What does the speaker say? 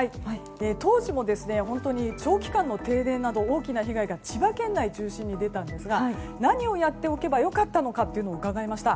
当時も長期間の停電など大きな被害が千葉県内を中心に出たのですが何をやっておけば良かったのかを伺いました。